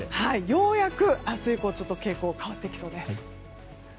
ようやく明日以降傾向が変わってきそうです。